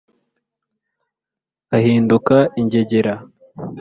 Ahinduka ingegera